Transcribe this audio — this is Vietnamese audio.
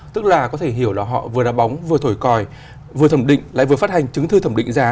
tức là có thể hiểu là họ vừa đá bóng vừa thổi còi vừa thẩm định lại vừa phát hành chứng thư thẩm định giá